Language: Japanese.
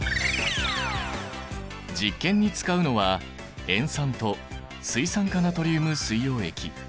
実験に使うのは塩酸と水酸化ナトリウム水溶液。